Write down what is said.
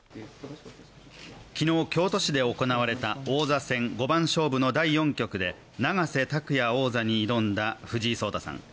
昨日京都市で行われた王座戦五番勝負の第４局で永瀬拓矢王座に挑んだ藤井聡太さん